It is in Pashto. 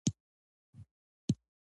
سیکټور اې د فلسطیني ادارې لخوا نیول شوی دی.